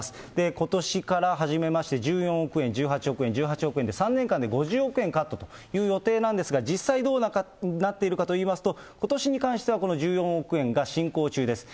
ことしから始めまして、１４億円、１８億円、１８億円で、３年間で５０億円カットという予定なんですが、実際どうなっているかといいますと、ことしに関しては、この１４億円が進行中です。